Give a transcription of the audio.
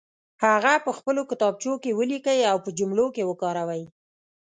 هغه په خپلو کتابچو کې ولیکئ او په جملو کې وکاروئ.